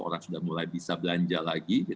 orang sudah mulai bisa belanja lagi